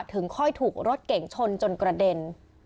ถึงค่อยถูกรถเก่งชนจนกระเด็น